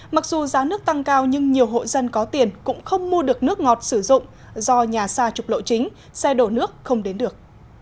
mặc dù giá nước tăng cao nhưng nhiều hộ dân có tiền cũng không mua được nước ngọt sử dụng do nhà xa trục lộ chính xe đổ nước không đến được